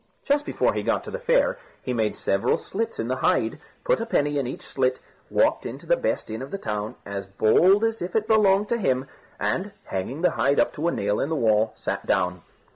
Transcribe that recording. Just before he got to the fair, he made several slits in the hide, put a penny in each slit, walked into the best inn of the town as bold as if it belonged to him, and, hanging the hide up to a nail in the wall, sat down.